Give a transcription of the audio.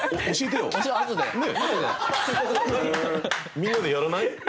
みんなでやらない？